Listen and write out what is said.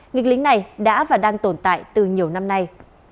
nghịch lý này đã và đang tồn tại từ nhiều năm nay